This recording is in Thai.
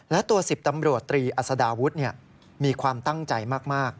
และตัว๑๐ตำรวจตรีอัศดาวุฒิมีความตั้งใจมาก